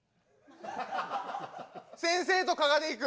先生と加賀で行く。